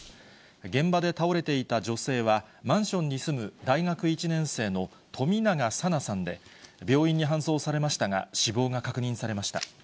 現場で倒れていた女性は、マンションに住む大学１年生の冨永紗菜さんで、病院に搬送されましたが、死亡が確認されました。